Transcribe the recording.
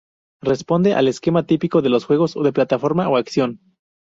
Responde al esquema típico de los juegos de plataforma o acción.